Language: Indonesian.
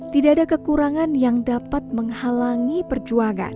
tidak ada kekurangan yang dapat menghalangi perjuangan